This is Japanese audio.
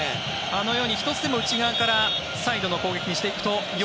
あのように１つでも内側からサイドの攻撃にしていくと。